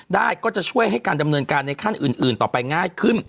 ก็จะช่วยให้การดำเนินการในขั้นอื่นต่อไปง่ายขึ้น